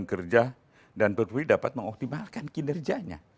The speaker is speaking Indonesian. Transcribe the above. mengerjakan dan berpilih dapat mengoptimalkan kinerjanya